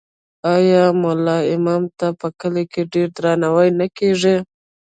آیا ملا امام ته په کلي کې ډیر درناوی نه کیږي؟